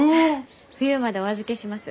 冬までお預けします。